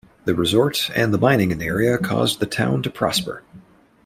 The resort and the mining in the area caused the town to prosper.